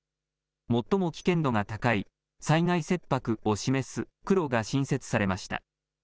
最も危険度が高い災害切迫を示す黒が新設されました。